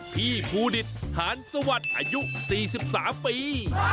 พี่ภูดิตหานสวัสดิ์อายุ๔๓ปี